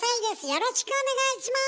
よろしくお願いします。